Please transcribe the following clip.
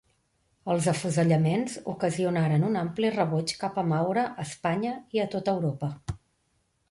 Els afusellaments ocasionaren un ampli rebuig cap a Maura a Espanya i a tot Europa.